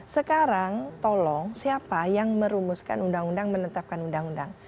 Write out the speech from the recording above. sekarang tolong siapa yang merumuskan undang undang menetapkan undang undang